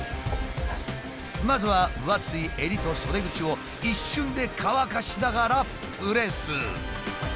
まずは分厚い襟と袖口を一瞬で乾かしながらプレス。